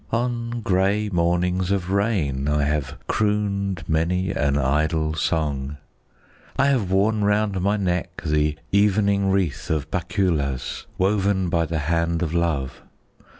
On grey mornings of rain I have crooned many an idle song. I have worn round my neck the evening wreath of bakulas woven by the hand of love.